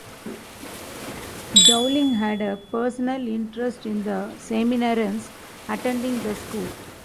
Dowling had a personal interest in the seminarians attending the school.